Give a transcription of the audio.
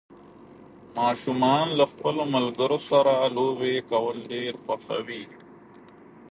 ماشومان له خپلو ملګرو سره لوبې کول ډېر خوښوي